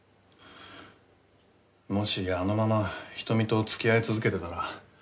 もしあのまま仁美とつきあい続けてたら。